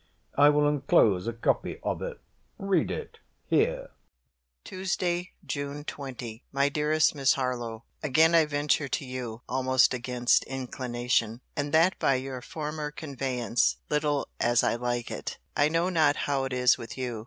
I will enclose a copy of it. Read it here. TUESDAY, JUNE 20. MY DEAREST MISS HARLOWE, Again I venture to you, (almost against inclination;) and that by your former conveyance, little as I like it. I know not how it is with you.